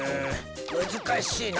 むずかしいな。